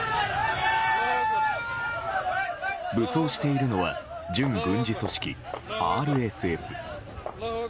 武装しているのは準軍事組織ＲＳＦ。